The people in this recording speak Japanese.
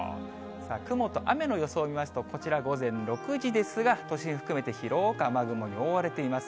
さあ、雲と雨の予想見ますと、こちら、午前６時ですが、都心含めて広く雨雲に覆われています。